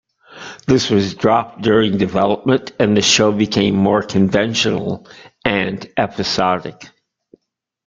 This was dropped during development, and the show became more conventional and episodic.